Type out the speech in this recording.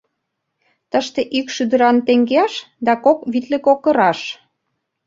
— Тыште ик шӱдыран теҥгеаш да кок витлыкокыраш.